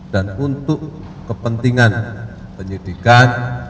dan untuk kepentingan penyidikan